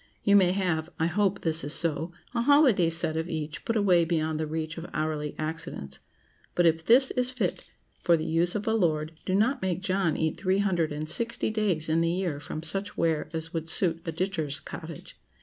You may have—I hope this is so—a holiday set of each, put away beyond the reach of hourly accidents; but if this is fit for the use of a lord, do not make John eat three hundred and sixty days in the year from such ware as would suit a ditcher's cottage.